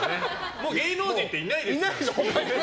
もう芸能人っていないですから。